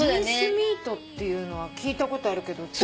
ミンスミートっていうのは聞いたことあるけど。